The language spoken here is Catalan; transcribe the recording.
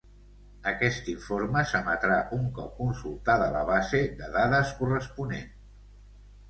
Aquest informe s'emetrà un cop consultada la base de dades corresponent.